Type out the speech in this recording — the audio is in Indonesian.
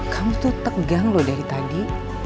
kamu tuh tegang loh dari tadi